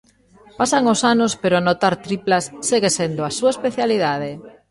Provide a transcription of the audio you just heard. Pasan os anos pero anotar triplas segue sendo a súa especialidade.